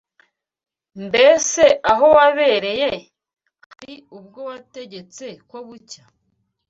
Mbese aho wabereye, hari ubwo wategetse ko bucya